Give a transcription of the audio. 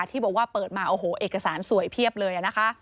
ที่บอกว่าเปิดมาเอกสารสวยเพียบเลย